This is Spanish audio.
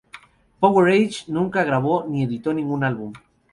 Power Age nunca grabó ni editó ningún álbum.